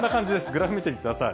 グラフ見てください。